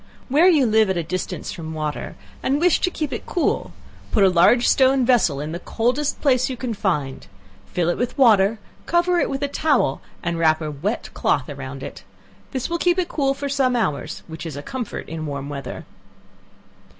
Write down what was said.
Where you live at a distance from water, and wish to keep it cool, put a large stone vessel in the coldest place you can find; fill it with water, cover it with a towel and wrap a wet cloth around it; this will keep it cool for some hours, which is a comfort in warm weather.